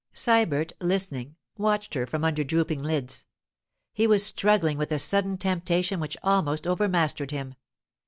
Sybert, listening, watched her from under drooping lids. He was struggling with a sudden temptation which almost overmastered him.